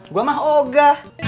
gue mah oga